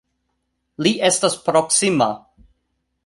Li estas proksima!